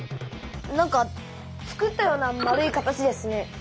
なんかつくったような丸い形ですね。